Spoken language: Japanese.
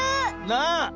なあ。